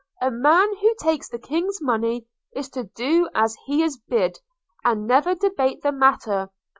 A man who takes the King's money is to do as he is bid, and never debate the matter.